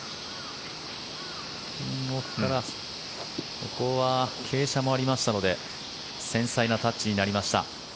ここは傾斜もありましたので繊細なタッチになりました。